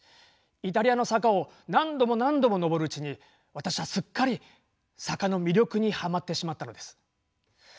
イタリアの坂を何度も何度も上るうちに私はすっかり坂の魅力にハマってしまったのです。